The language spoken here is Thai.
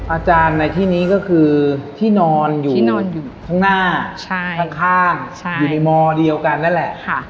อาจารย์ในที่นี้ก็คือที่นอนอยู่ที่นอนอยู่ข้างหน้าข้างอยู่ในมเดียวกันนั่นแหละ